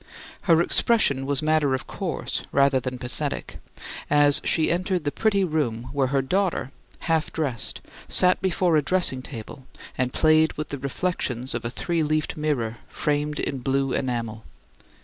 Her expression was matter of course, rather than pathetic, as she entered the pretty room where her daughter, half dressed, sat before a dressing table and played with the reflections of a three leafed mirror framed in blue enamel.